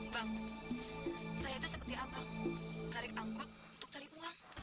bang saya itu seperti apa tarik angkot untuk cari uang